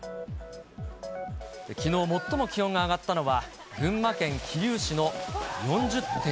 きのう最も気温が上がったのは、群馬県桐生市の４０．４度。